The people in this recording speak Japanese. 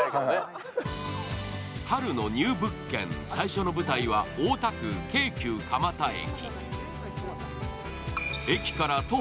春のニュー物件、最初の舞台は大田区京急蒲田駅。